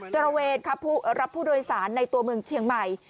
ตระเวนรับผู้โดยสารในตัวเมืองเชียงใหม่